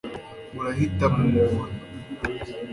murahita mumubona